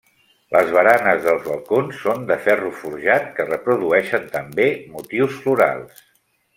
Les baranes dels balcons són de ferro forjat, que reprodueixen també motius florals.